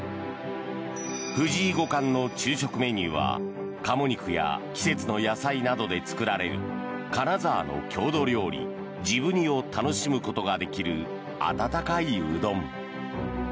藤井五冠の昼食メニューは鴨肉や季節の野菜などで作られる金沢の郷土料理、治部煮を楽しむことができる温かいうどん。